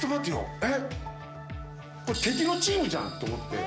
えっ、これ、敵のチームじゃんと思って。